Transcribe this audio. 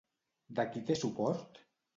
De qui té suport?